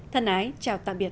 thân ái chào tạm biệt